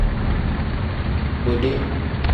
Bode.